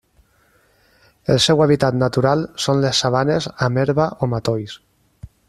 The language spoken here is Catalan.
El seu hàbitat natural són les sabanes amb herba o matolls.